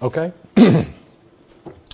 Okay.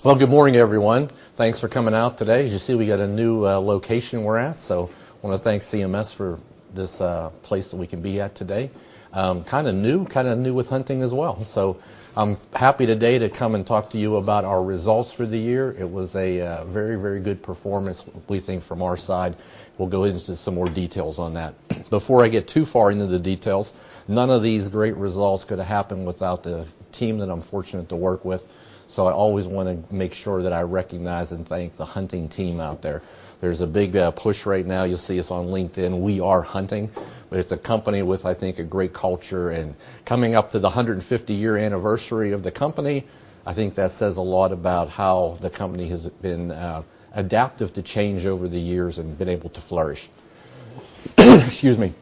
Well, good morning, everyone. Thanks for coming out today. As you see, we got a new location we're at, so wanna thank CMS for this place that we can be at today. Kind of new, kind of new with Hunting as well. So I'm happy today to come and talk to you about our results for the year. It was a very, very good performance, we think, from our side. We'll go into some more details on that. Before I get too far into the details, none of these great results could have happened without the team that I'm fortunate to work with. So I always wanna make sure that I recognize and thank the Hunting team out there. There's a big push right now. You'll see us on LinkedIn. We are Hunting, but it's a company with, I think, a great culture. Coming up to the 150-year anniversary of the company, I think that says a lot about how the company has been adaptive to change over the years and been able to flourish. Excuse me.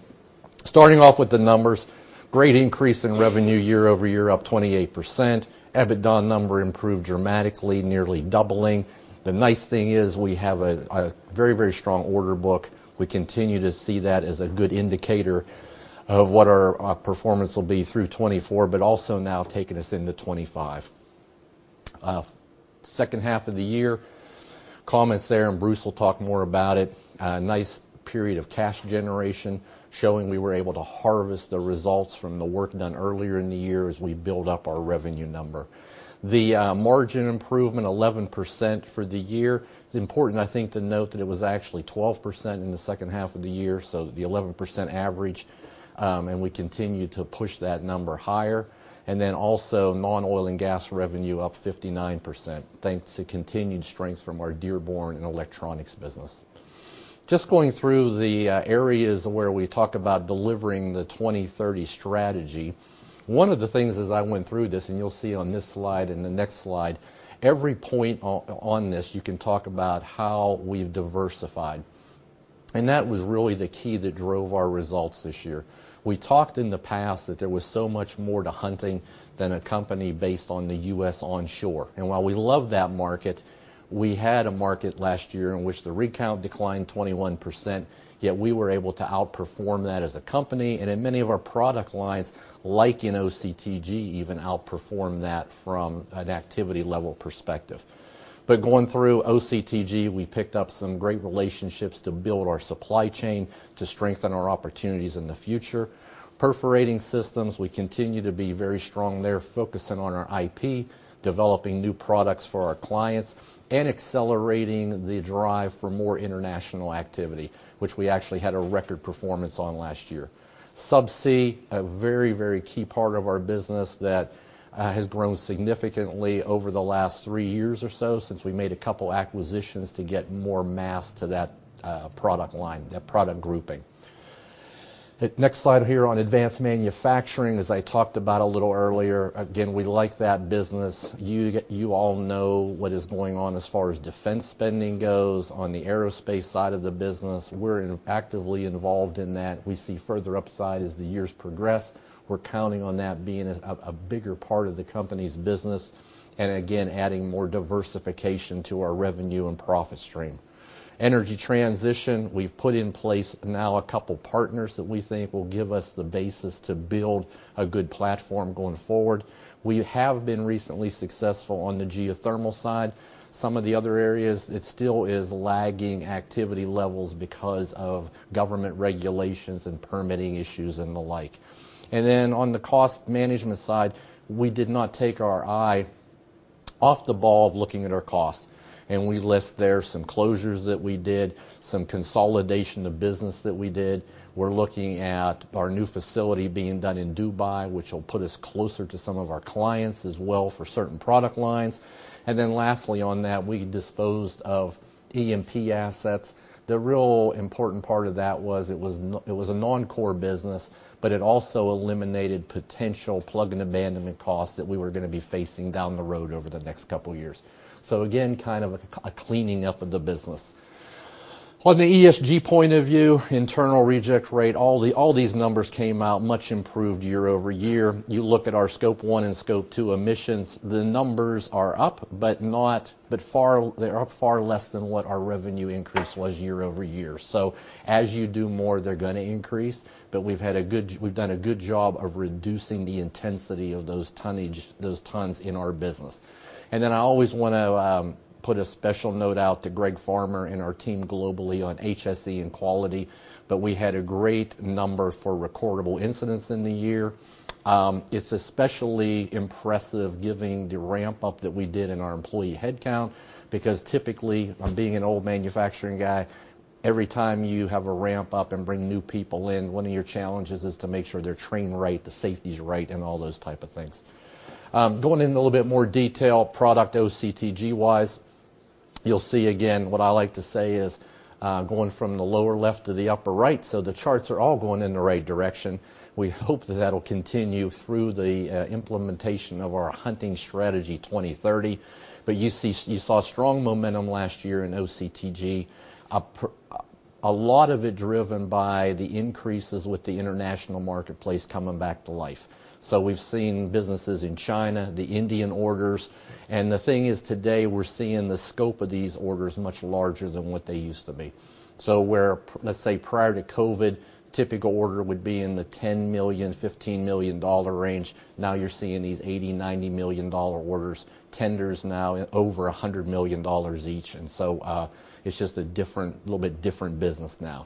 Starting off with the numbers, great increase in revenue year-over-year, up 28%. EBITDA number improved dramatically, nearly doubling. The nice thing is we have a very, very strong order book. We continue to see that as a good indicator of what our performance will be through '2024, but also now taking us into 2025. Second half of the year, comments there, and Bruce will talk more about it. A nice period of cash generation, showing we were able to harvest the results from the work done earlier in the year as we build up our revenue number. The margin improvement, 11% for the year. It's important, I think, to note that it was actually 12% in the second half of the year, so the 11% average, and we continue to push that number higher. And then also, non-oil and gas revenue up 59%, thanks to continued strength from our Dearborn and Electronics business. Just going through the areas where we talk about delivering the 2030 strategy. One of the things as I went through this, and you'll see on this slide and the next slide, every point on this, you can talk about how we've diversified, and that was really the key that drove our results this year. We talked in the past that there was so much more to Hunting than a company based on the U.S. onshore. And while we love that market, we had a market last year in which the rig count declined 21%, yet we were able to outperform that as a company and in many of our product lines, like in OCTG, even outperform that from an activity level perspective. But going through OCTG, we picked up some great relationships to build our supply chain, to strengthen our opportunities in the future. Perforating systems, we continue to be very strong there, focusing on our IP, developing new products for our clients, and accelerating the drive for more international activity, which we actually had a record performance on last year. Subsea, a very, very key part of our business that has grown significantly over the last three years or so since we made a couple acquisitions to get more mass to that product line, that product grouping. The next slide here on Advanced Manufacturing, as I talked about a little earlier, again, we like that business. You all know what is going on as far as defense spending goes on the aerospace side of the business. We're actively involved in that. We see further upside as the years progress. We're counting on that being a bigger part of the company's business, and again, adding more diversification to our revenue and profit stream. Energy transition, we've put in place now a couple partners that we think will give us the basis to build a good platform going forward. We have been recently successful on the geothermal side. Some of the other areas, it still is lagging activity levels because of government regulations and permitting issues and the like. And then on the cost management side, we did not take our eye off the ball of looking at our costs, and we list there some closures that we did, some consolidation of business that we did. We're looking at our new facility being done in Dubai, which will put us closer to some of our clients as well for certain product lines. And then lastly on that, we disposed of E&P assets. The real important part of that was it was a non-core business, but it also eliminated potential plug and abandonment costs that we were gonna be facing down the road over the next couple of years. So again, kind of a cleaning up of the business. On the ESG point of view, internal reject rate, all these numbers came out much improved year-over-year. You look at our Scope 1 and Scope 2 emissions, the numbers are up, but far less than what our revenue increase was year-over-year. So as you do more, they're gonna increase, but we've done a good job of reducing the intensity of those tonnage, those tons in our business. And then I always wanna put a special note out to Greg Farmer and our team globally on HSE and quality, but we had a great number for recordable incidents in the year. It's especially impressive given the ramp-up that we did in our employee headcount, because typically, I'm being an old manufacturing guy, every time you have a ramp-up and bring new people in, one of your challenges is to make sure they're trained right, the safety's right, and all those type of things. Going into a little bit more detail, product OCTG-wise, you'll see again, what I like to say is, going from the lower left to the upper right, so the charts are all going in the right direction. We hope that that'll continue through the implementation of our Hunting Strategy 2030. But you see, you saw strong momentum last year in OCTG, a lot of it driven by the increases with the international marketplace coming back to life. So we've seen businesses in China, the Indian orders. The thing is, today, we're seeing the scope of these orders much larger than what they used to be. So where, let's say, prior to COVID, typical order would be in the $10 million-$15 million range, now you're seeing these $80 million-$90 million orders. Tenders now over $100 million each, and so, it's just a different, little bit different business now.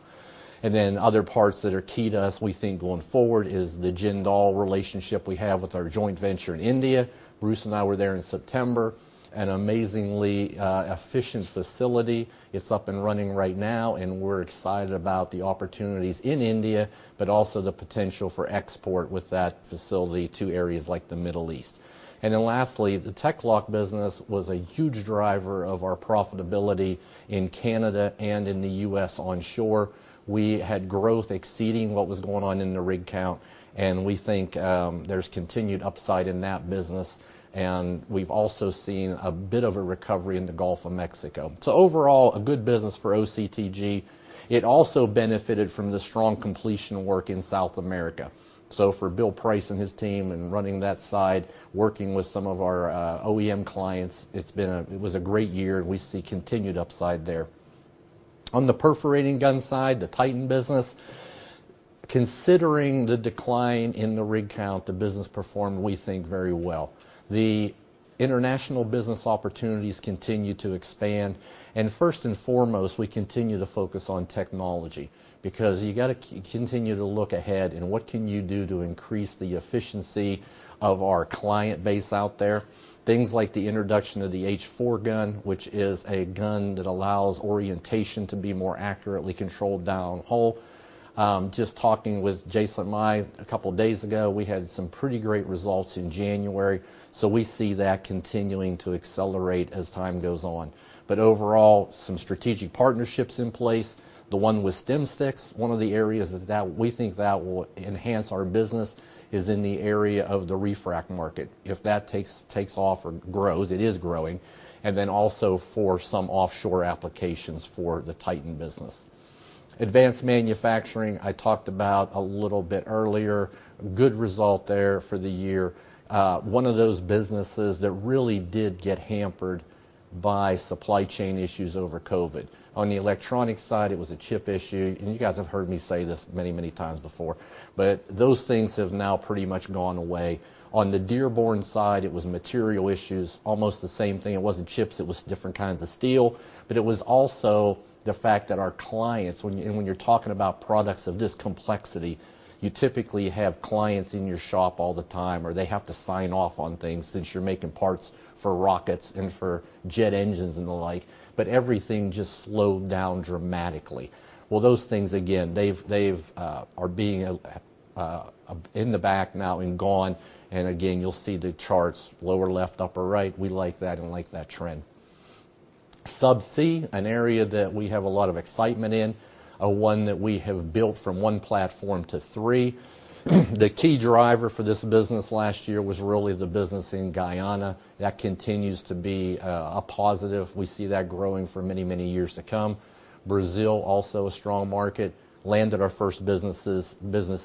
And then other parts that are key to us, we think, going forward, is the Jindal relationship we have with our joint venture in India. Bruce and I were there in September, an amazingly efficient facility. It's up and running right now, and we're excited about the opportunities in India, but also the potential for export with that facility to areas like the Middle East. And then lastly, the TEC-LOCK business was a huge driver of our profitability in Canada and in the U.S. onshore. We had growth exceeding what was going on in the rig count, and we think, there's continued upside in that business, and we've also seen a bit of a recovery in the Gulf of Mexico. So overall, a good business for OCTG. It also benefited from the strong completion work in South America. So for Bill Price and his team in running that side, working with some of our OEM clients, it's been a— It was a great year, and we see continued upside there. On the perforating gun side, the Titan business, considering the decline in the rig count, the business performed, we think, very well. The international business opportunities continue to expand, and first and foremost, we continue to focus on technology, because you gotta continue to look ahead and what can you do to increase the efficiency of our client base out there. Things like the introduction of the H-4 gun, which is a gun that allows orientation to be more accurately controlled downhole. Just talking with Jason Mai a couple of days ago, we had some pretty great results in January, so we see that continuing to accelerate as time goes on. But overall, some strategic partnerships in place. The one with StimStixx, one of the areas that we think that will enhance our business, is in the area of the refrac market. If that takes off and grows, it is growing, and then also for some offshore applications for the Titan business. Advanced Manufacturing, I talked about a little bit earlier, good result there for the year. One of those businesses that really did get hampered by supply chain issues over COVID. On the electronic side, it was a chip issue, and you guys have heard me say this many, many times before, but those things have now pretty much gone away. On the Dearborn side, it was material issues, almost the same thing. It wasn't chips, it was different kinds of steel, but it was also the fact that our clients, when, and when you're talking about products of this complexity, you typically have clients in your shop all the time, or they have to sign off on things since you're making parts for rockets and for jet engines and the like, but everything just slowed down dramatically. Well, those things, again, they've, they've, are being in the back now and gone, and again, you'll see the charts, lower left, upper right. We like that and like that trend. Subsea, an area that we have a lot of excitement in, one that we have built from one platform to three. The key driver for this business last year was really the business in Guyana. That continues to be a positive. We see that growing for many, many years to come. Brazil, also a strong market, landed our first business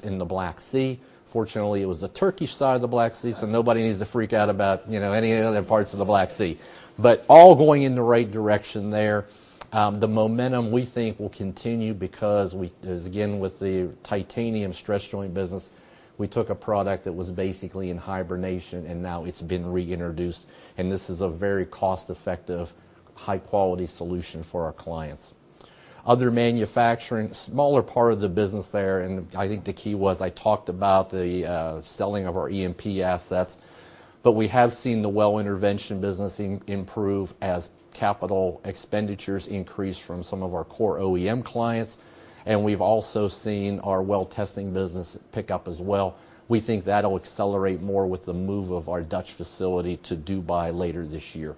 in the Black Sea. Fortunately, it was the Turkish side of the Black Sea, so nobody needs to freak out about, you know, any other parts of the Black Sea. But all going in the right direction there. The momentum, we think, will continue because we, as again, with the Titanium Stress Joint business, we took a product that was basically in hibernation, and now it's been reintroduced, and this is a very cost-effective, high-quality solution for our clients. Other manufacturing, smaller part of the business there, and I think the key was I talked about the selling of our E&P assets, but we have seen the well intervention business improve as capital expenditures increase from some of our core OEM clients, and we've also seen our well testing business pick up as well. We think that'll accelerate more with the move of our Dutch facility to Dubai later this year.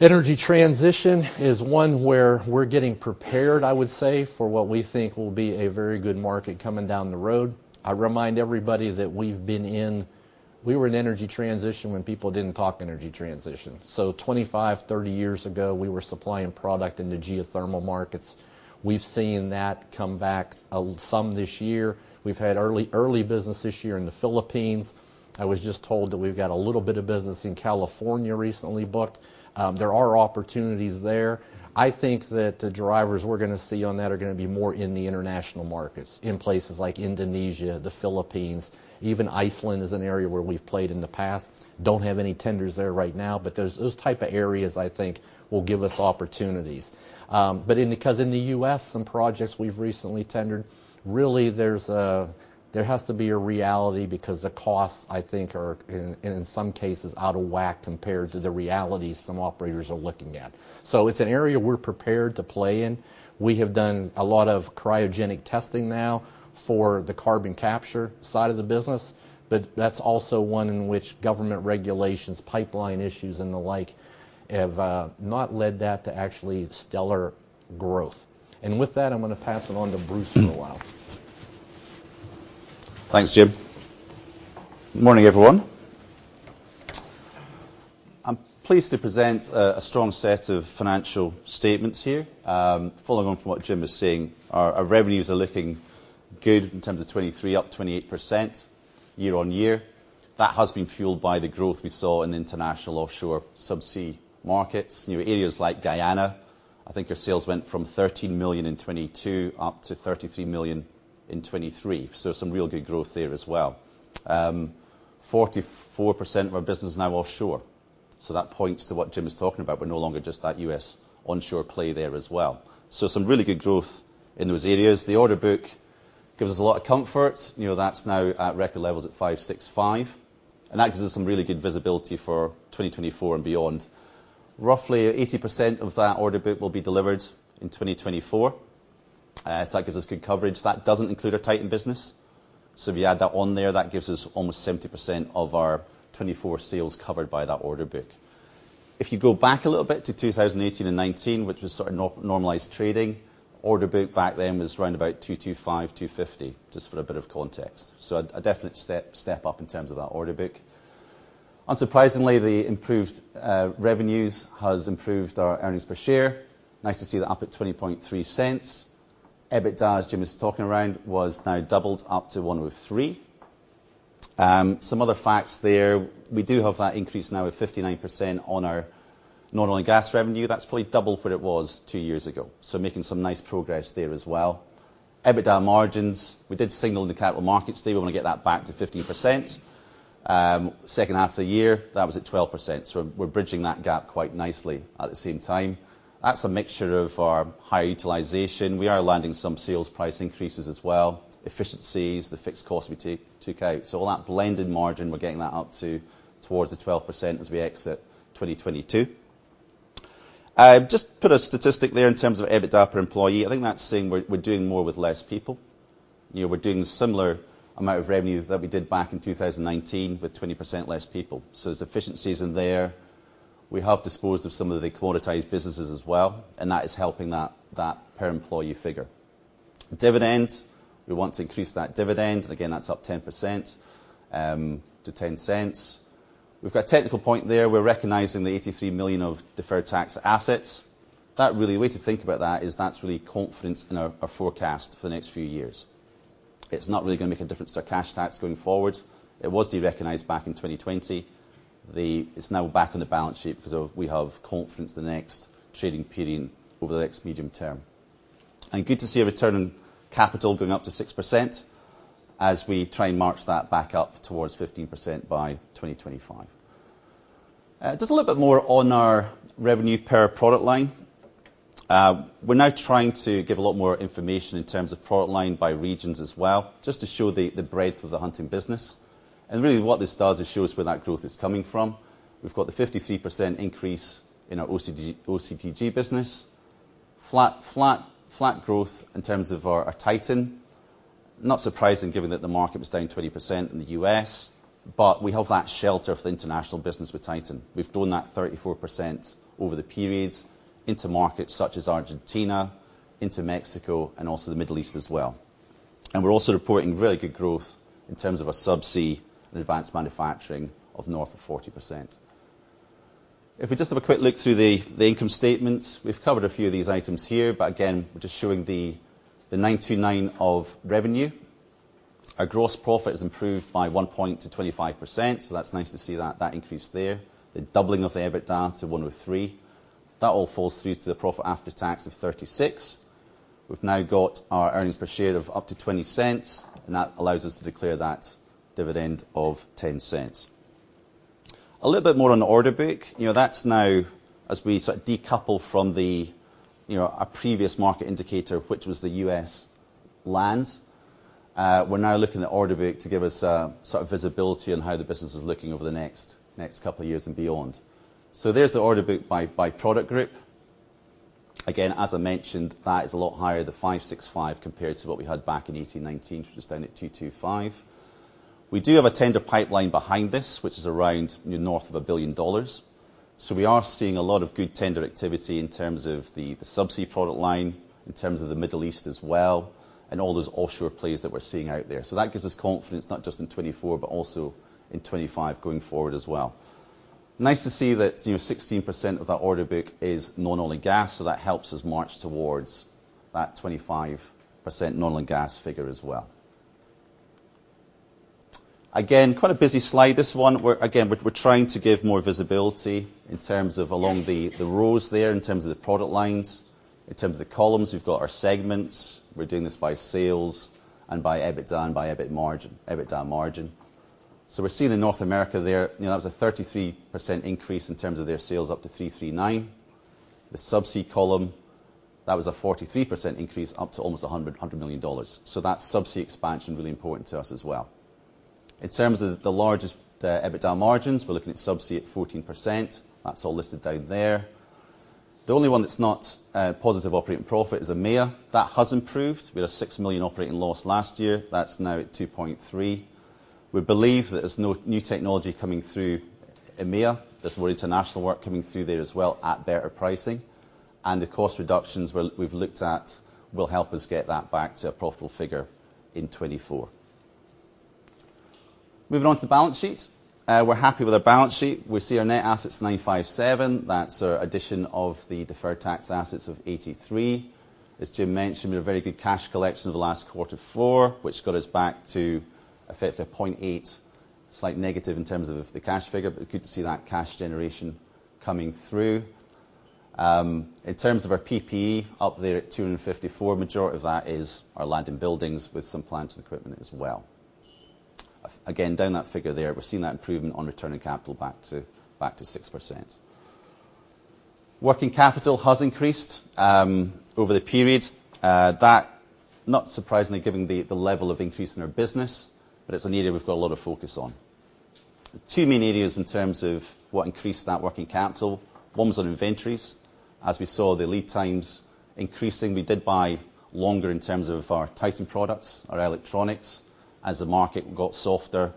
Energy transition is one where we're getting prepared, I would say, for what we think will be a very good market coming down the road. I remind everybody that we've been in, we were in energy transition when people didn't talk energy transition. So 25, 30 years ago, we were supplying product in the geothermal markets. We've seen that come back some this year. We've had early, early business this year in the Philippines. I was just told that we've got a little bit of business in California recently booked. There are opportunities there. I think that the drivers we're gonna see on that are gonna be more in the international markets, in places like Indonesia, the Philippines, even Iceland is an area where we've played in the past. Don't have any tenders there right now, but those type of areas, I think, will give us opportunities. But because in the U.S., some projects we've recently tendered, really, there has to be a reality because the costs, I think, are in some cases, out of whack compared to the realities some operators are looking at. So it's an area we're prepared to play in. We have done a lot of cryogenic testing now for the carbon capture side of the business, but that's also one in which government regulations, pipeline issues, and the like, have not led that to actually stellar growth. And with that, I'm gonna pass it on to Bruce for a while. Thanks, Jim. Morning, everyone. I'm pleased to present a strong set of financial statements here. Following on from what Jim was saying, our revenues are looking good in terms of 2023, up 28% year-on-year. That has been fueled by the growth we saw in international offshore subsea markets. You know, areas like Guyana, I think our sales went from $13 million in 2022 up to $33 million in 2023, so some real good growth there as well. 44% of our business is now offshore, so that points to what Jim was talking about. We're no longer just that U.S. onshore play there as well. So some really good growth in those areas. The order book gives us a lot of comfort. You know, that's now at record levels at $565 million, and that gives us some really good visibility for 2024 and beyond. Roughly 80% of that order book will be delivered in 2024, so that gives us good coverage. That doesn't include our Titan business, so if you add that on there, that gives us almost 70% of our 2024 sales covered by that order book. If you go back a little bit to 2018 and 2019, which was sort of normalized trading, order book back then was around $225 million-$250 million, just for a bit of context, so a definite step up in terms of that order book. Unsurprisingly, the improved revenues has improved our earnings per share. Nice to see that up at $0.203. EBITDA, as Jim was talking around, was now doubled, up to $103 million. Some other facts there. We do have that increase now of 59% on our non-oil and gas revenue. That's probably double what it was two years ago, so making some nice progress there as well. EBITDA margins, we did signal in the capital markets today we want to get that back to 15%. Second half of the year, that was at 12%, so we're, we're bridging that gap quite nicely at the same time. That's a mixture of our high utilization. We are landing some sales price increases as well, efficiencies, the fixed costs we took out. So all that blended margin, we're getting that up to towards the 12% as we exit 2022. I just put a statistic there in terms of EBITDA per employee. I think that's saying we're doing more with less people. You know, we're doing similar amount of revenue that we did back in 2019, with 20% less people, so there's efficiencies in there. We have disposed of some of the commoditized businesses as well, and that is helping that per employee figure. Dividend, we want to increase that dividend, and again, that's up 10% to $0.10. We've got a technical point there. We're recognizing the $83 million of deferred tax assets. That really, the way to think about that is that's really confidence in our forecast for the next few years. It's not really going to make a difference to our cash tax going forward. It was derecognized back in 2020. It's now back on the balance sheet because of we have confidence in the next trading period over the next medium term. Good to see a return on capital going up to 6% as we try and march that back up towards 15% by 2025. Just a little bit more on our revenue per product line. We're now trying to give a lot more information in terms of product line by regions as well, just to show the breadth of the Hunting business. Really, what this does, it shows where that growth is coming from. We've got the 53% increase in our OCTG business. Flat, flat, flat growth in terms of our Titan. Not surprising, given that the market was down 20% in the U.S., but we have that shelter of the international business with Titan. We've grown that 34% over the period into markets such as Argentina, into Mexico, and also the Middle East as well. We're also reporting really good growth in terms of our Subsea and Advanced Manufacturing of north of 40%. If we just have a quick look through the income statement, we've covered a few of these items here, but again, we're just showing the 929 of revenue. Our gross profit has improved by 1 point to 25%, so that's nice to see that increase there. The doubling of the EBITDA to $103 million. That all falls through to the profit after tax of $36 million. We've now got our earnings per share of up to $0.20, and that allows us to declare that dividend of $0.10. A little bit more on the order book. You know, that's now as we sort of decouple from the, you know, our previous market indicator, which was the U.S. land, we're now looking at order book to give us, sort of visibility on how the business is looking over the next, next couple of years and beyond. So there's the order book by, by product group. Again, as I mentioned, that is a lot higher, the 565, compared to what we had back in 2018, 2019, which was down at 225. We do have a tender pipeline behind this, which is around north of $1 billion. So we are seeing a lot of good tender activity in terms of the, the subsea product line, in terms of the Middle East as well, and all those offshore plays that we're seeing out there. So that gives us confidence not just in 2024, but also in 2025 going forward as well. Nice to see that, you know, 16% of our order book is non-oil and gas, so that helps us march towards that 25% non-oil and gas figure as well. Again, quite a busy slide, this one. We're, again, trying to give more visibility in terms of along the rows there, in terms of the product lines. In terms of the columns, we've got our segments. We're doing this by sales and by EBITDA and by EBIT margin, EBITDA margin. So we're seeing in North America there, you know, that was a 33% increase in terms of their sales, up to $339 million. The subsea column, that was a 43% increase, up to almost $100 million. So that subsea expansion, really important to us as well. In terms of the largest EBITDA margins, we're looking at subsea at 14%. That's all listed down there. The only one that's not positive operating profit is EMEA. That has improved. We had a $6 million operating loss last year. That's now at $2.3 million. We believe that there's no new technology coming through EMEA. There's more international work coming through there as well at better pricing, and the cost reductions we've looked at will help us get that back to a profitable figure in 2024. Moving on to the balance sheet. We're happy with our balance sheet. We see our net assets $957 million. That's our addition of the deferred tax assets of $83 million. As Jim mentioned, we had a very good cash collection in the last quarter four, which got us back to -0.8, slight negative in terms of the cash figure, but good to see that cash generation coming through. In terms of our PPE, up there at $254, majority of that is our land and buildings with some plant and equipment as well. Again, down to that figure there, we're seeing that improvement on returning capital back to, back to 6%. Working capital has increased over the period. That not surprisingly, given the level of increase in our business, but it's an area we've got a lot of focus on. Two main areas in terms of what increased that working capital, one was on inventories. As we saw the lead times increasing, we did buy longer in terms of our Titan products, our electronics. As the market got softer,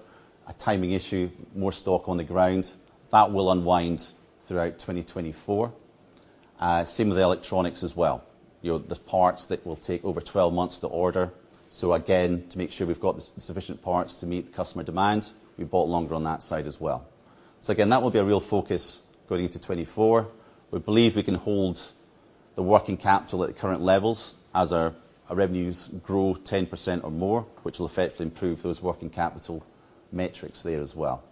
a timing issue, more stock on the ground, that will unwind throughout 2024. Same with the electronics as well. You know, the parts that will take over 12 months to order. So again, to make sure we've got the sufficient parts to meet the customer demand, we bought longer on that side as well. So again, that will be a real focus going into 2024. We believe we can hold the working capital at the current levels as our revenues grow 10% or more, which will effectively improve those working capital metrics there as well.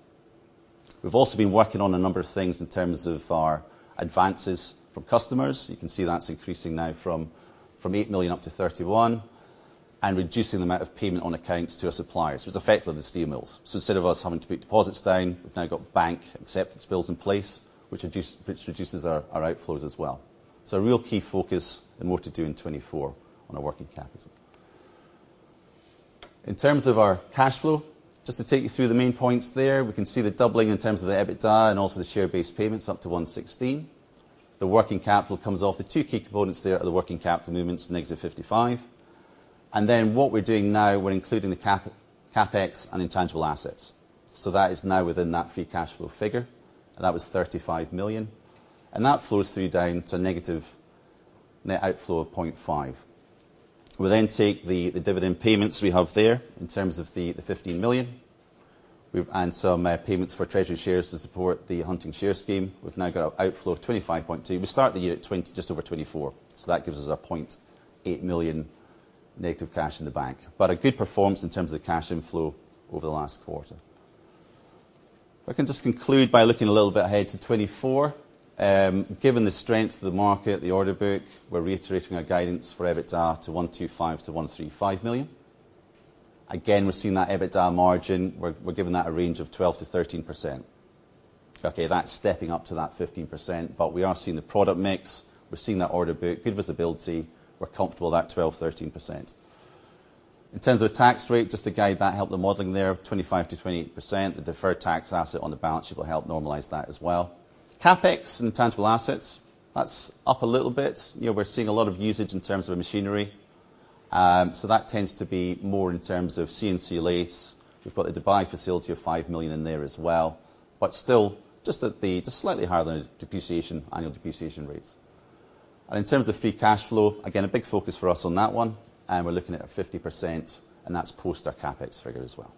We've also been working on a number of things in terms of our advances from customers. You can see that's increasing now from $8 million up to $31 million, and reducing the amount of payment on accounts to our suppliers, whose effect on the steel mills. So instead of us having to put deposits down, we've now got bank acceptance bills in place, which reduces our outflows as well. So a real key focus and more to do in 2024 on our working capital. In terms of our cash flow, just to take you through the main points there, we can see the doubling in terms of the EBITDA and also the share-based payments up to $116 million. The working capital comes off. The two key components there are the working capital movements, -$55 million. And then what we're doing now, we're including the CapEx and intangible assets. So that is now within that free cash flow figure, and that was $35 million, and that flows through down to negative net outflow of $0.5 million. We then take the dividend payments we have there in terms of the $15 million. We've and some payments for treasury shares to support the Hunting share scheme. We've now got an outflow of $25.2 million. We start the year at $20 million, just over $24 million, so that gives us a $0.8 million negative cash in the bank. But a good performance in terms of the cash inflow over the last quarter. If I can just conclude by looking a little bit ahead to 2024, given the strength of the market, the order book, we're reiterating our guidance for EBITDA to $125 million-$135 million. Again, we're seeing that EBITDA margin. We're giving that a range of 12%-13%. Okay, that's stepping up to that 15%, but we are seeing the product mix, we're seeing that order book, good visibility. We're comfortable with that 12%-13%. In terms of the tax rate, just to guide that, help the modeling there, 25%-28%, the deferred tax asset on the balance sheet will help normalize that as well. CapEx and intangible assets, that's up a little bit. You know, we're seeing a lot of usage in terms of machinery, so that tends to be more in terms of CNC lathes. We've got the Dubai facility of $5 million in there as well, but still, just slightly higher than the depreciation, annual depreciation rates. In terms of free cash flow, again, a big focus for us on that one, and we're looking at 50%, and that's post our CapEx figure as well.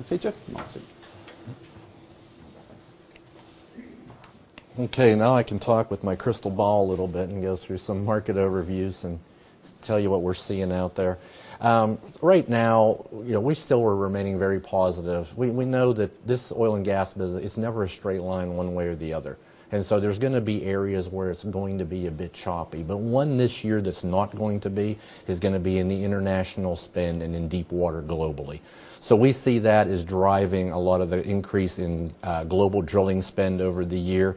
Okay, Jim, your turn. Okay, now I can talk with my crystal ball a little bit and go through some market overviews and tell you what we're seeing out there. Right now, you know, we still are remaining very positive. We know that this oil and gas business, it's never a straight line one way or the other. And so there's gonna be areas where it's going to be a bit choppy, but one this year that's not going to be, is gonna be in the international spend and in deep water globally. So we see that as driving a lot of the increase in global drilling spend over the year.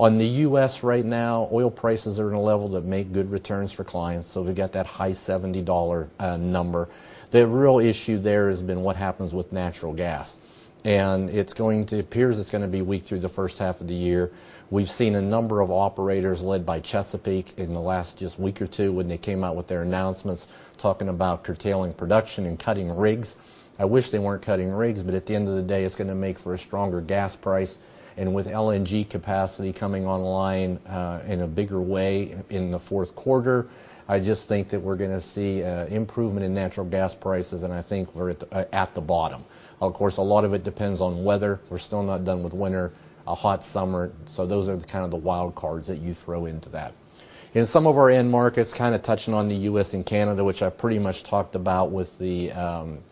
On the U.S. right now, oil prices are in a level that make good returns for clients, so we've got that high $70 number. The real issue there has been what happens with natural gas, and it's going to—appears it's gonna be weak through the first half of the year. We've seen a number of operators led by Chesapeake in the last just week or two, when they came out with their announcements, talking about curtailing production and cutting rigs. I wish they weren't cutting rigs, but at the end of the day, it's gonna make for a stronger gas price. And with LNG capacity coming online, in a bigger way in, in the fourth quarter, I just think that we're gonna see, improvement in natural gas prices, and I think we're at, at the bottom. Of course, a lot of it depends on weather. We're still not done with winter, a hot summer, so those are kind of the wild cards that you throw into that. In some of our end markets, kind of touching on the U.S. and Canada, which I pretty much talked about with the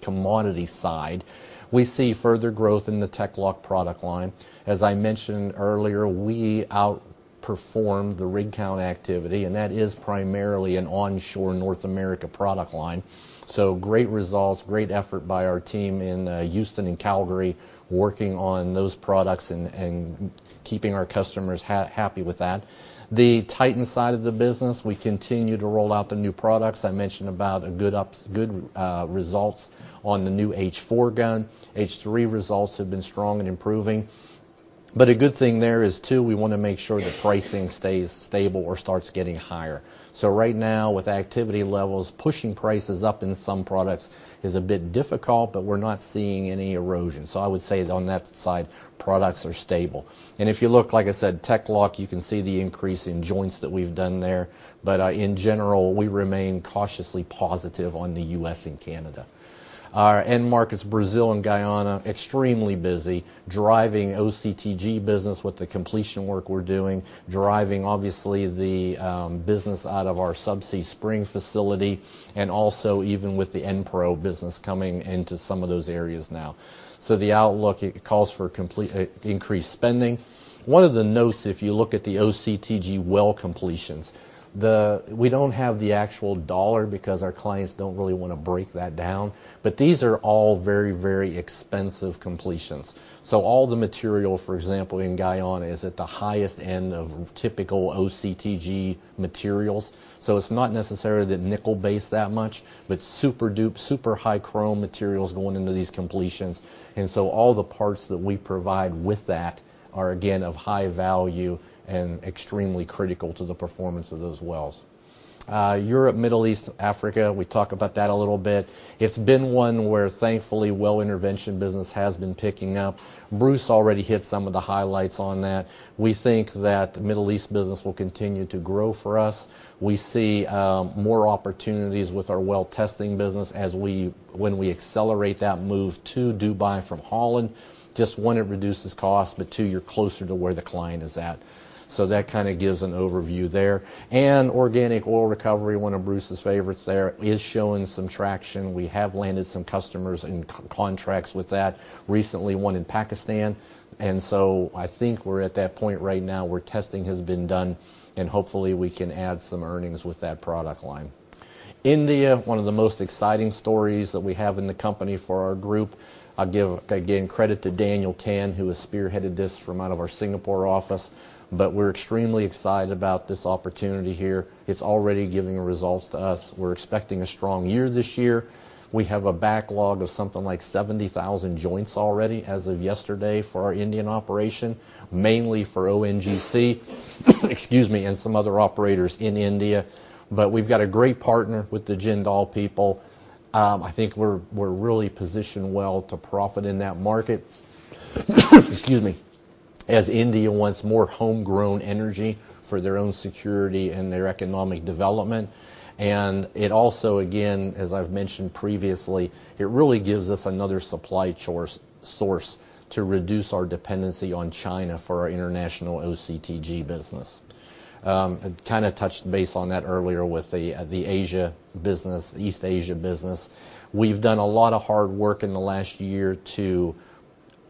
commodity side, we see further growth in the TEC-LOCK product line. As I mentioned earlier, we outperformed the rig count activity, and that is primarily an onshore North America product line. So great results, great effort by our team in Houston and Calgary, working on those products and keeping our customers happy with that. The Titan side of the business, we continue to roll out the new products. I mentioned about good results on the new H-4 gun. H-3 results have been strong and improving. But a good thing there is, too, we wanna make sure the pricing stays stable or starts getting higher. So right now, with activity levels, pushing prices up in some products is a bit difficult, but we're not seeing any erosion. So I would say on that side, products are stable. And if you look, like I said, TEC-LOCK, you can see the increase in joints that we've done there. But in general, we remain cautiously positive on the U.S. and Canada. Our end markets, Brazil and Guyana, extremely busy, driving OCTG business with the completion work we're doing, driving, obviously, the business out of our Subsea Spring facility, and also even with the Enpro business coming into some of those areas now. So the outlook, it calls for complete increased spending. One of the notes, if you look at the OCTG well completions, we don't have the actual dollar, because our clients don't really want to break that down, but these are all very, very expensive completions. So all the material, for example, in Guyana, is at the highest end of typical OCTG materials. So it's not necessarily the nickel base that much, but Super Duplex, super high chrome materials going into these completions. And so all the parts that we provide with that are, again, of high value and extremely critical to the performance of those wells. Europe, Middle East, Africa, we talked about that a little bit. It's been one where, thankfully, well intervention business has been picking up. Bruce already hit some of the highlights on that. We think that the Middle East business will continue to grow for us. We see more opportunities with our well testing business as we, when we accelerate that move to Dubai from Holland. Just, one, it reduces cost, but, two, you're closer to where the client is at. So that kind of gives an overview there. Organic Oil Recovery, one of Bruce's favorites there, is showing some traction. We have landed some customers and contracts with that, recently, one in Pakistan. So I think we're at that point right now where testing has been done, and hopefully, we can add some earnings with that product line. India, one of the most exciting stories that we have in the company for our group. I'll give, again, credit to Daniel Tan, who has spearheaded this from out of our Singapore office. But we're extremely excited about this opportunity here. It's already giving results to us. We're expecting a strong year this year. We have a backlog of something like 70,000 joints already as of yesterday for our Indian operation, mainly for ONGC, excuse me, and some other operators in India. But we've got a great partner with the Jindal people. I think we're, we're really positioned well to profit in that market, excuse me, as India wants more homegrown energy for their own security and their economic development. And it also, again, as I've mentioned previously, it really gives us another supply source to reduce our dependency on China for our international OCTG business. I kind of touched base on that earlier with the, the Asia business, East Asia business. We've done a lot of hard work in the last year to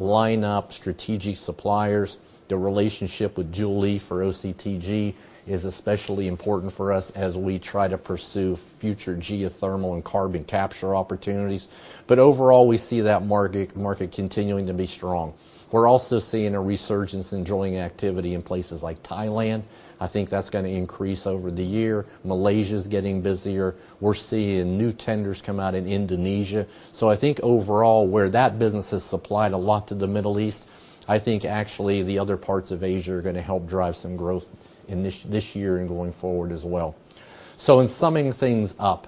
line up strategic suppliers. The relationship with Jindal for OCTG is especially important for us as we try to pursue future geothermal and carbon capture opportunities. But overall, we see that market continuing to be strong. We're also seeing a resurgence in drilling activity in places like Thailand. I think that's gonna increase over the year. Malaysia is getting busier. We're seeing new tenders come out in Indonesia. So I think overall, where that business has supplied a lot to the Middle East, I think actually the other parts of Asia are gonna help drive some growth in this year and going forward as well. So in summing things up,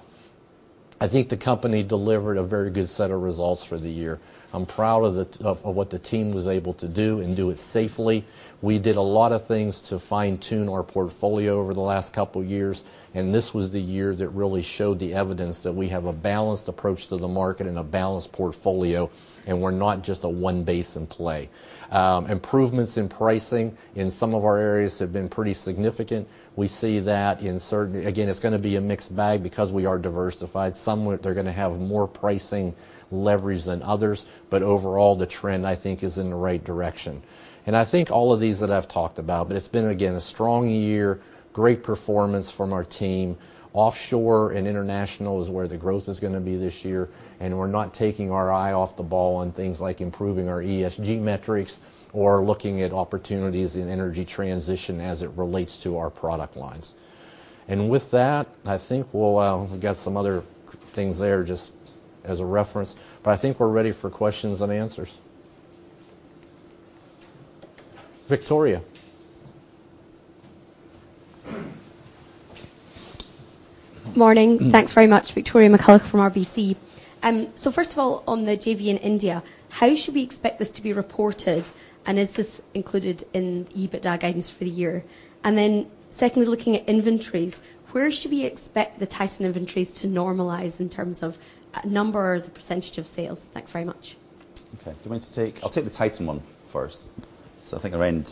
I think the company delivered a very good set of results for the year. I'm proud of what the team was able to do and do it safely. We did a lot of things to fine-tune our portfolio over the last couple of years, and this was the year that really showed the evidence that we have a balanced approach to the market and a balanced portfolio, and we're not just a one-basin play. Improvements in pricing in some of our areas have been pretty significant. We see that in certain areas. Again, it's gonna be a mixed bag because we are diversified. Some they're gonna have more pricing leverage than others, but overall, the trend, I think, is in the right direction. And I think all of these that I've talked about, but it's been, again, a strong year, great performance from our team. Offshore and international is where the growth is gonna be this year, and we're not taking our eye off the ball on things like improving our ESG metrics or looking at opportunities in energy transition as it relates to our product lines. With that, I think we'll. We got some other things there just as a reference, but I think we're ready for questions and answers. Victoria? Morning. Thanks very much. Victoria McCulloch from RBC. So first of all, on the JV in India, how should we expect this to be reported, and is this included in the EBITDA guidance for the year? And then secondly, looking at inventories, where should we expect the Titan inventories to normalize in terms of numbers, percentage of sales? Thanks very much. Okay. Do you want me to take, I'll take the Titan one first. So I think our end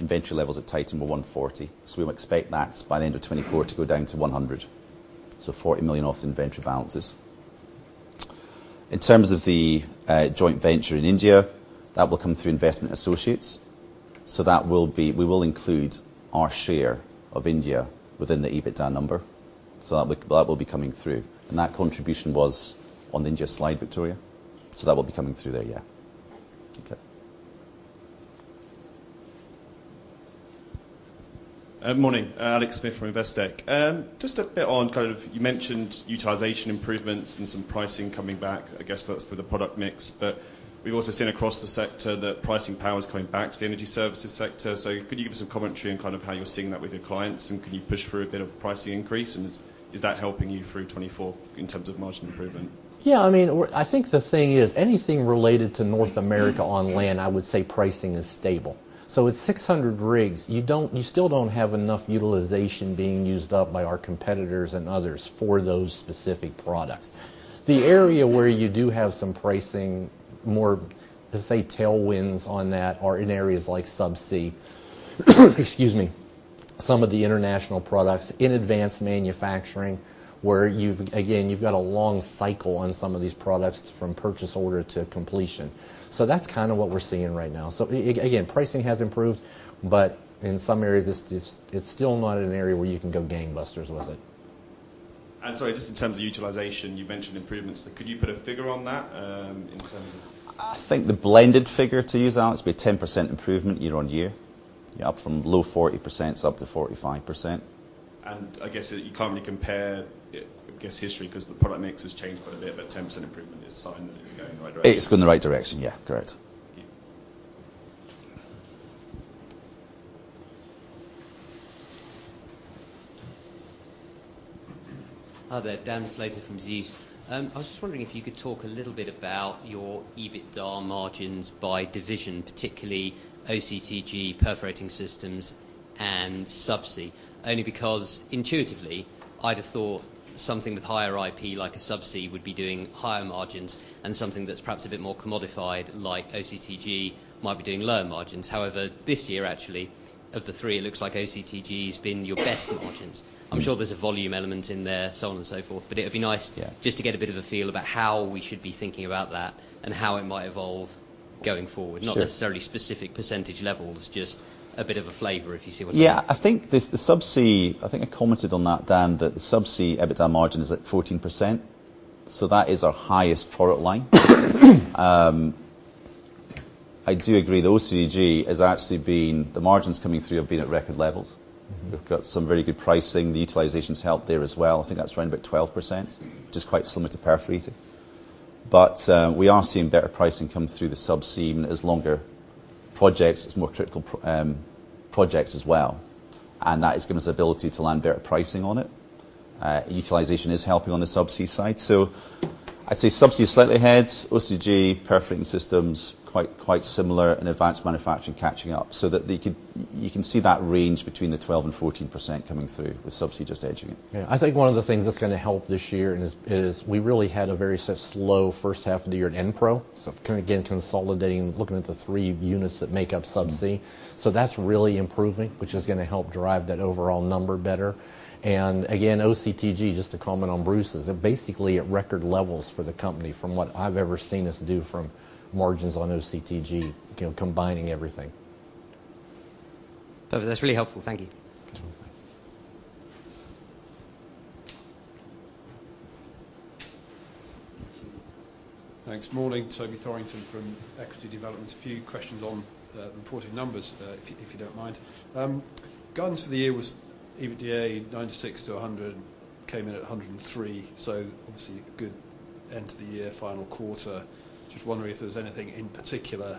inventory levels at Titan were 140, so we would expect that by the end of 2024 to go down to 100, so $40 million off inventory balances. In terms of the joint venture in India, that will come through investment associates, so that will be, we will include our share of India within the EBITDA number, so that will, that will be coming through. And that contribution was on the India slide, Victoria, so that will be coming through there. Yeah. Thanks. Okay. Morning. Alex Smith from Investec. Just a bit on kind of, you mentioned utilization improvements and some pricing coming back. I guess that's for the product mix, but we've also seen across the sector that pricing power is coming back to the energy services sector. So could you give us some commentary on kind of how you're seeing that with your clients, and can you push for a bit of a pricing increase, and is that helping you through 2024 in terms of margin improvement? Yeah, I mean, we're, I think the thing is, anything related to North America on land, I would say pricing is stable. So with 600 rigs, you don't, you still don't have enough utilization being used up by our competitors and others for those specific products. The area where you do have some pricing, more, let's say, tailwinds on that, are in areas like Subsea. Excuse me. Some of the international products in Advanced Manufacturing, where you've, again, you've got a long cycle on some of these products from purchase order to completion. So that's kind of what we're seeing right now. So again, pricing has improved, but in some areas, it's just, it's still not in an area where you can go gangbusters with it. Sorry, just in terms of utilization, you mentioned improvements. Could you put a figure on that, in terms of- I think the blended figure, to use, Alex, would be 10% improvement year-over-year, up from low 40s up to 45%. I guess you can't really compare, I guess, history, 'cause the product mix has changed quite a bit, but a 10% improvement is a sign that it's going in the right direction. It's going in the right direction. Yeah, correct. Thank you. Hi there, Dan Slater from Zeus. I was just wondering if you could talk a little bit about your EBITDA margins by division, particularly OCTG, Perforating Systems, and Subsea. Only because intuitively, I'd have thought something with higher IP, like a Subsea, would be doing higher margins and something that's perhaps a bit more commodified, like OCTG, might be doing lower margins. However, this year, actually, of the three, it looks like OCTG has been your best margins. I'm sure there's a volume element in there, so on and so forth, but it would be nice just to get a bit of a feel about how we should be thinking about that and how it might evolve going forward. Sure. Not necessarily specific percentage levels, just a bit of a flavor, if you see what I mean. Yeah, I think the Subsea, I think I commented on that, Dan, that the Subsea EBITDA margin is at 14%, so that is our highest product line. I do agree, the OCTG has actually been the margins coming through have been at record levels. We've got some very good pricing. The utilization's helped there as well. I think that's around about 12%, which is quite similar to Perforating. But we are seeing better pricing come through the Subsea as longer projects, as more critical projects as well, and that has given us the ability to land better pricing on it. Utilization is helping on the Subsea side. So I'd say Subsea is slightly ahead, OCTG, Perforating Systems, quite, quite similar, and advanced manufacturing catching up so that you can see that range between the 12%-14% coming through, with Subsea just edging it. Yeah, I think one of the things that's gonna help this year is we really had a very sort of slow first half of the year in Enpro. So kind of, again, consolidating, looking at the three units that make up Subsea. So that's really improving, which is gonna help drive that overall number better. And again, OCTG, just to comment on Bruce's, are basically at record levels for the company from what I've ever seen us do from margins on OCTG, you know, combining everything. Perfect. That's really helpful. Thank you. Thanks. Morning, Toby Thorrington from Equity Development. A few questions on reporting numbers, if you don't mind. Guidance for the year was EBITDA 96-100, came in at 103, so obviously a good end to the year, final quarter. Just wondering if there was anything in particular,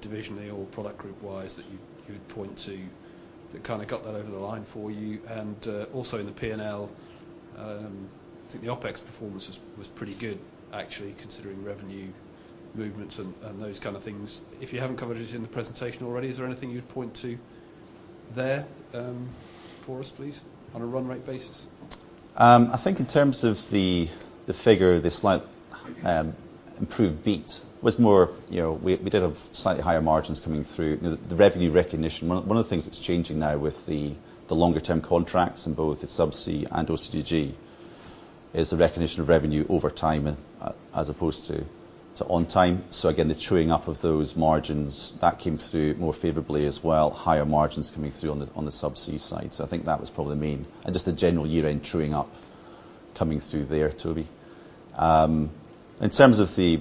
divisionally or product group wise, that you'd point to, that kind of got that over the line for you? And also in the P&L, I think the OpEx performance was pretty good, actually, considering revenue movements and those kind of things. If you haven't covered it in the presentation already, is there anything you'd point to there, for us, please, on a run rate basis? I think in terms of the, the figure, the slight, improved beat was more, you know, we, we did have slightly higher margins coming through. The, the revenue recognition, one, one of the things that's changing now with the, the longer term contracts in both the Subsea and OCTG, is the recognition of revenue over time, as opposed to, to on time. So again, the truing up of those margins, that came through more favorably as well, higher margins coming through on the, on the Subsea side. So I think that was probably the main and just the general year-end truing up coming through there, Toby. In terms of the,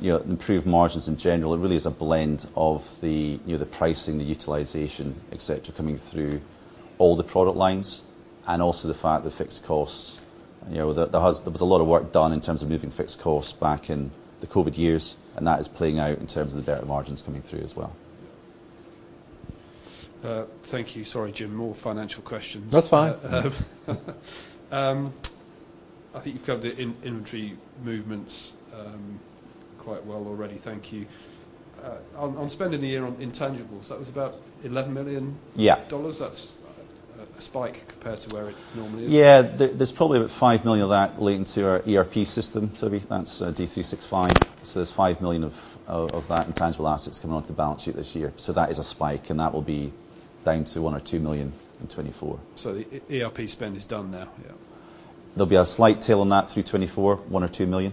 you know, improved margins in general, it really is a blend of the, you know, the pricing, the utilization, et cetera, coming through all the product lines, and also the fact that fixed costs, you know, there was a lot of work done in terms of moving fixed costs back in the COVID years, and that is playing out in terms of the better margins coming through as well. Thank you. Sorry, Jim, more financial questions. That's fine. I think you've covered the inventory movements quite well already. Thank you. On spending the year on intangibles, that was about $11 million. Yeah Dollars? That's a spike compared to where it normally is. Yeah. There's probably about $5 million of that relating to our ERP system, Toby. That's D365. So there's $5 million of that in intangible assets coming onto the balance sheet this year. So that is a spike, and that will be down to $1 million-$2 million in 2024. So the ERP spend is done now, yeah? There'll be a slight tail on that through 2024, $1 million-$2 million.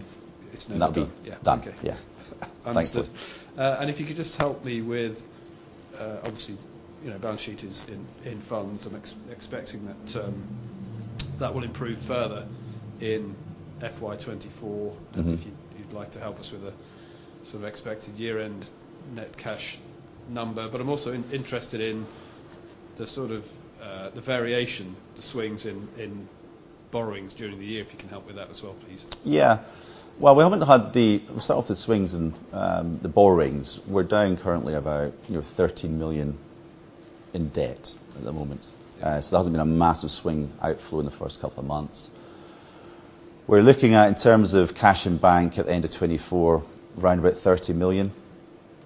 It's never done. That'll be done. Yeah, okay. Yeah. Understood. Thanks, Toby. And if you could just help me with, obviously, you know, balance sheet is in funds. I'm expecting that that will improve further in FY 2024. And if you'd like to help us with a sort of expected year-end net cash number. But I'm also interested in the sort of the variation, the swings in borrowings during the year, if you can help with that as well, please. Yeah. Well, we'll start off with swings and the borrowings. We're down currently about, you know, $13 million in debt at the moment. So there hasn't been a massive swing outflow in the first couple of months. We're looking at, in terms of cash in bank at the end of 2024, around about $30 million.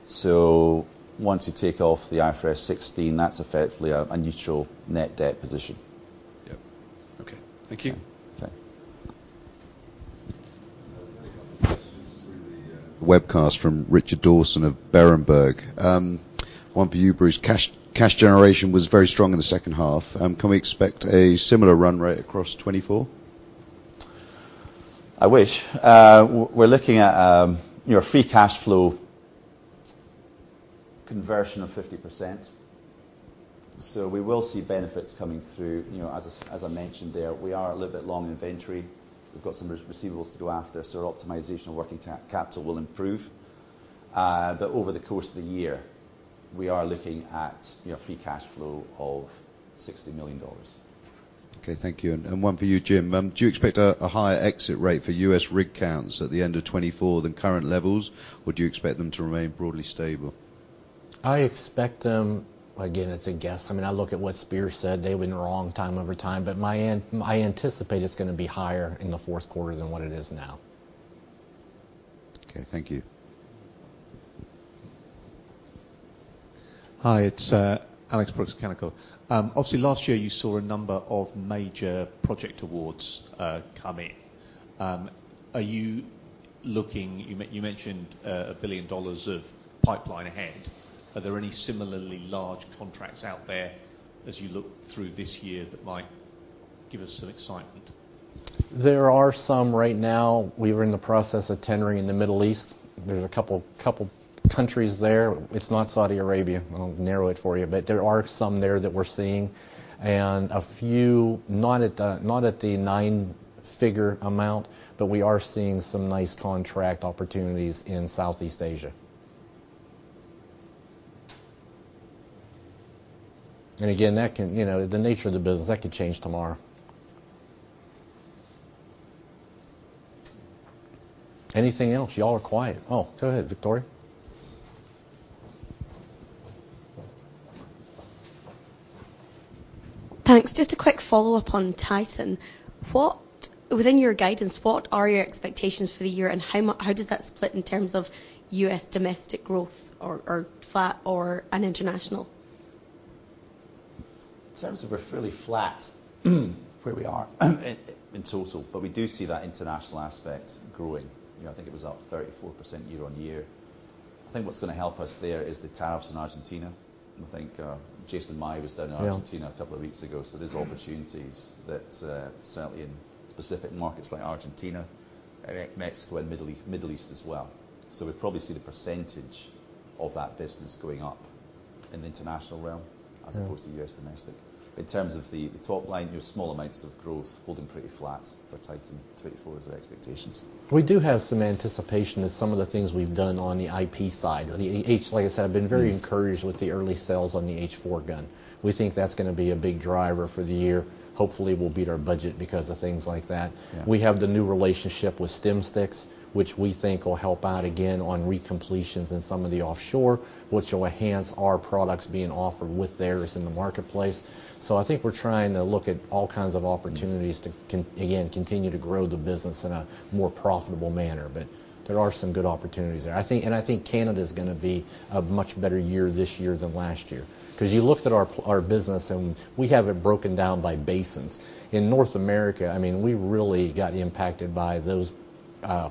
So once you take off the IFRS 16, that's effectively a neutral net debt position. Yep. Okay. Thank you. Okay. I have a couple questions through the webcast from Richard Dawson of Berenberg. One for you, Bruce. Cash, cash generation was very strong in the second half. Can we expect a similar run rate across 2024? I wish. We're looking at, you know, a free cash flow conversion of 50%. So we will see benefits coming through. You know, as I mentioned there, we are a little bit long inventory. We've got some receivables to go after, so our optimization of working capital will improve. But over the course of the year, we are looking at, you know, free cash flow of $60 million. Okay, thank you. And one for you, Jim. Do you expect a higher exit rate for U.S. rig counts at the end of 2024 than current levels, or do you expect them to remain broadly stable? I expect them. Again, it's a guess. I mean, I look at what Spears said. They've been wrong time over time, but I anticipate it's gonna be higher in the fourth quarter than what it is now. Okay, thank you. Hi, it's Alex Brooks at Canaccord. Obviously, last year, you saw a number of major project awards come in. Are you looking—you mentioned $1 billion of pipeline ahead. Are there any similarly large contracts out there as you look through this year that might give us some excitement? There are some right now. We're in the process of tendering in the Middle East. There's a couple, couple countries there. It's not Saudi Arabia. I'll narrow it for you, but there are some there that we're seeing, and a few, not at the nine-figure amount, but we are seeing some nice contract opportunities in Southeast Asia. And again, that can, you know, the nature of the business, that could change tomorrow. Anything else? Y'all are quiet. Oh, go ahead, Victoria. Thanks. Just a quick follow-up on Titan. Within your guidance, what are your expectations for the year, and how does that split in terms of U.S. domestic growth or flat or international? In terms of we're fairly flat, where we are in, in total, but we do see that international aspect growing. You know, I think it was up 34% year-on-year. I think what's gonna help us there is the tariffs in Argentina. I think, Jason Mai was down in Argentina a couple of weeks ago, so there's opportunities that certainly in specific markets like Argentina, and Mexico and Middle East, Middle East as well. So we probably see the percentage of that business going up in the international realm as opposed to U.S. domestic. In terms of the top line, your small amounts of growth holding pretty flat for Titan 2024 is our expectations. We do have some anticipation that some of the things we've done on the IP side. Like I said, I've been very encouraged with the early sales on the H-4 gun. We think that's gonna be a big driver for the year. Hopefully, we'll beat our budget because of things like that. Yeah. We have the new relationship with StimStixx, which we think will help out again on recompletions in some of the offshore, which will enhance our products being offered with theirs in the marketplace. So I think we're trying to look at all kinds of opportunities to continue to grow the business in a more profitable manner, but there are some good opportunities there. I think, and I think Canada is gonna be a much better year this year than last year. 'Cause you looked at our business, and we have it broken down by basins. In North America, I mean, we really got impacted by those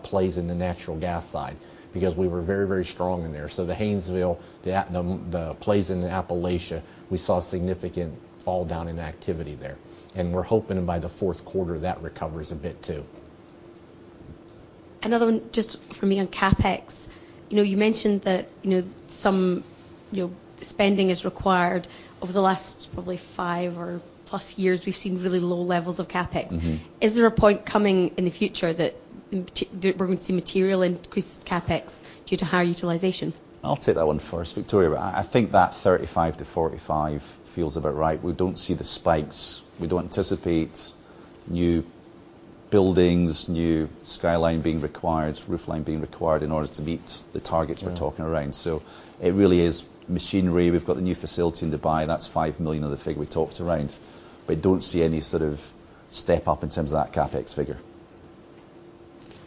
plays in the natural gas side because we were very, very strong in there. So the Haynesville, the plays in Appalachia, we saw significant fall down in activity there, and we're hoping by the fourth quarter, that recovers a bit, too. Another one just from me on CapEx. You know, you mentioned that, you know, some, you know, spending is required. Over the last probably five or plus years, we've seen really low levels of CapEx. Is there a point coming in the future that we're gonna see material increased CapEx due to higher utilization? I'll take that one first, Victoria. I think that 35-45 feels about right. We don't see the spikes. We don't anticipate new buildings, new skyline being required, roofline being required in order to meet the targets we're talking around. So it really is machinery. We've got the new facility in Dubai. That's $5 million of the figure we talked around. We don't see any sort of step up in terms of that CapEx figure.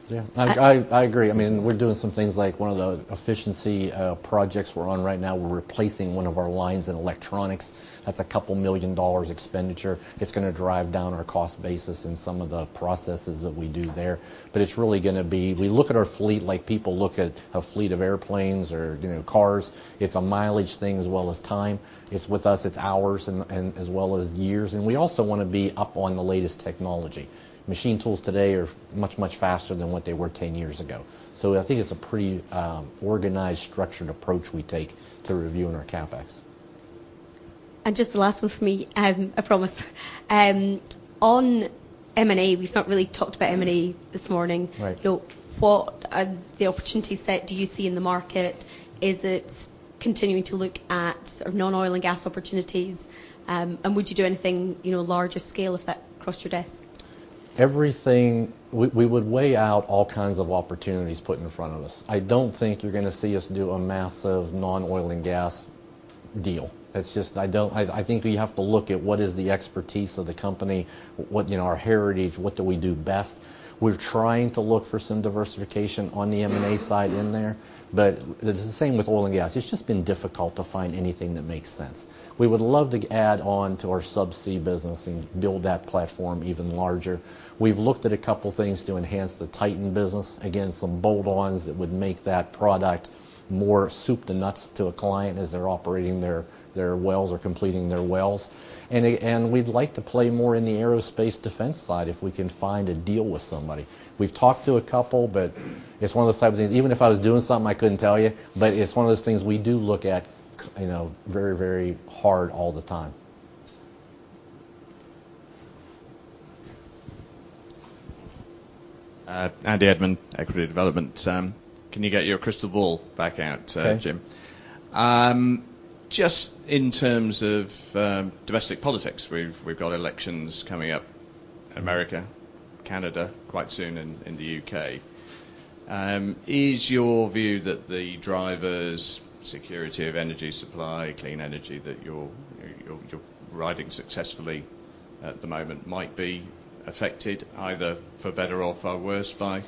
Yeah, I agree. I mean, we're doing some things like one of the efficiency projects we're on right now, we're replacing one of our lines in electronics. That's a couple million dollars expenditure. It's gonna drive down our cost basis in some of the processes that we do there, but it's really gonna be. We look at our fleet like people look at a fleet of airplanes or, you know, cars. It's a mileage thing as well as time. It's, with us, it's hours and, and as well as years, and we also wanna be up on the latest technology. Machine tools today are much, much faster than what they were 10 years ago. So I think it's a pretty organized, structured approach we take to reviewing our CapEx. Just the last one from me, I promise. On M&A, we've not really talked about M&A this morning. Right. You know, what are the opportunity set do you see in the market? Is it continuing to look at sort of non-oil and gas opportunities? And would you do anything, you know, larger scale if that crossed your desk? Everything, we would weigh out all kinds of opportunities put in front of us. I don't think you're gonna see us do a massive non-oil and gas deal. It's just, I think we have to look at what is the expertise of the company, what, you know, our heritage, what do we do best? We're trying to look for some diversification on the M&A side in there, but it's the same with oil and gas. It's just been difficult to find anything that makes sense. We would love to add on to our Subsea business and build that platform even larger. We've looked at a couple of things to enhance the Titan business. Again, some bolt-ons that would make that product more soup to nuts to a client as they're operating their wells or completing their wells. We'd like to play more in the aerospace defense side, if we can find a deal with somebody. We've talked to a couple, but it's one of those type of things, even if I was doing something, I couldn't tell you. But it's one of those things we do look at, you know, very, very hard all the time. Andy Edmond, Equity Development. Can you get your crystal ball back out, Jim? Okay. Just in terms of domestic politics, we've got elections coming up, America, Canada, quite soon in the U.K. Is your view that the drivers, security of energy supply, clean energy, that you're riding successfully at the moment, might be affected, either for better or for worse, by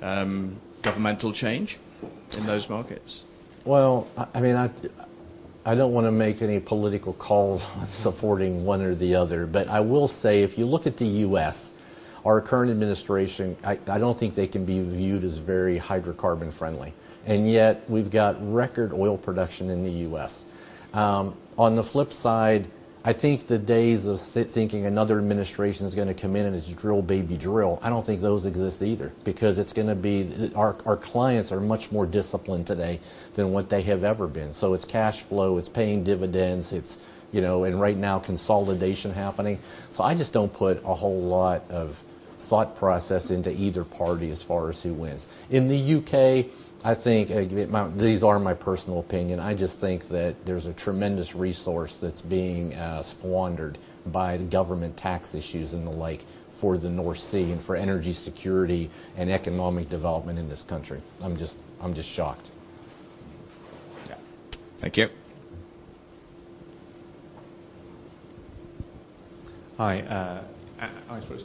governmental change in those markets? Well, I mean, I don't wanna make any political calls supporting one or the other, but I will say, if you look at the U.S., our current administration, I don't think they can be viewed as very hydrocarbon friendly, and yet we've got record oil production in the U.S. On the flip side, I think the days of sitting thinking another administration is gonna come in and it's drill, baby, drill, I don't think those exist either, because it's gonna be our clients are much more disciplined today than what they have ever been. So it's cash flow, it's paying dividends, it's, you know, and right now, consolidation happening. So I just don't put a whole lot of thought process into either party as far as who wins. In the U.K., I think, these are my personal opinion, I just think that there's a tremendous resource that's being squandered by the government tax issues and the like for the North Sea and for energy security and economic development in this country. I'm just, I'm just shocked. Yeah. Thank you. Hi, Alex Brooks.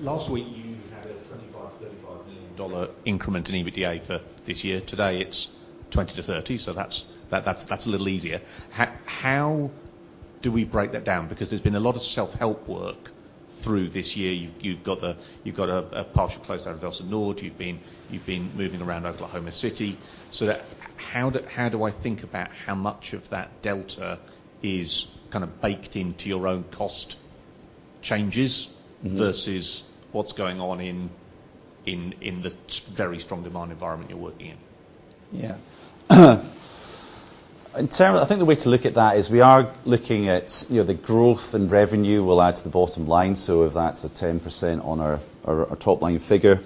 Last week, you had a $25 million-$35 million increment in EBITDA for this year. Today, it's $20 million-$30 million, so that's a little easier. How do we break that down? Because there's been a lot of self-help work through this year. You've got a partial close out of Velsen-Noord. You've been moving around Oklahoma City. So how do I think about how much of that delta is kinda baked into your own cost changes versus what's going on in the very strong demand environment you're working in? Yeah. In terms, I think the way to look at that is we are looking at, you know, the growth and revenue will add to the bottom line, so if that's a 10% on our top-line figure.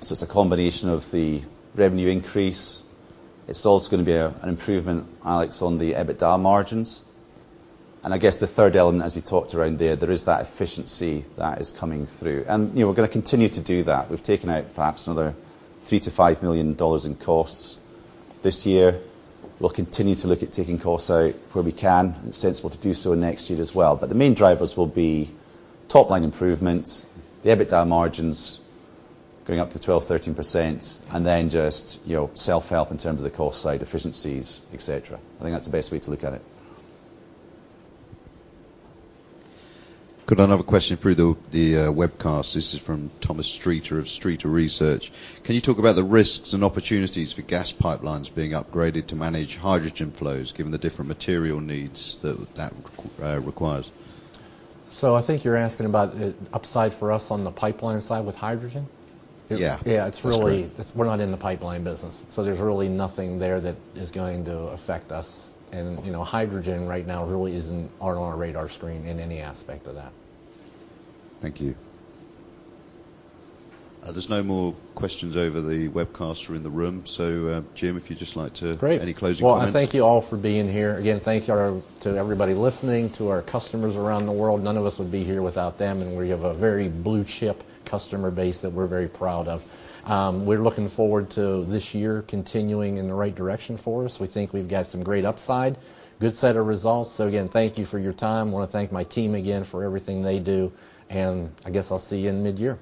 So it's a combination of the revenue increase. It's also gonna be an improvement, Alex, on the EBITDA margins. And I guess the third element, as you talked around there, there is that efficiency that is coming through. And, you know, we're gonna continue to do that. We've taken out perhaps another $3 million-$5 million in costs this year. We'll continue to look at taking costs out where we can. It's sensible to do so next year as well. But the main drivers will be top-line improvement, the EBITDA margins going up to 12%-13%, and then just, you know, self-help in terms of the cost side, efficiencies, et cetera. I think that's the best way to look at it. Got another question through the webcast. This is from Thomas Streeter of Streeter Research. Can you talk about the risks and opportunities for gas pipelines being upgraded to manage hydrogen flows, given the different material needs that requires? I think you're asking about the upside for us on the pipeline side with hydrogen? Yeah. Yeah, it's really- That's great. We're not in the pipeline business, so there's really nothing there that is going to affect us. You know, hydrogen right now really isn't on our radar screen in any aspect of that. Thank you. There's no more questions over the webcast or in the room. So, Jim, if you'd just like to- Great. Any closing comments? Well, I thank you all for being here. Again, thank you to everybody listening, to our customers around the world. None of us would be here without them, and we have a very blue chip customer base that we're very proud of. We're looking forward to this year continuing in the right direction for us. We think we've got some great upside, good set of results. So again, thank you for your time. I wanna thank my team again for everything they do, and I guess I'll see you in mid-year.